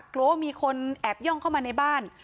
กลัวว่ามีคนแอบย่องเข้ามาในบ้าน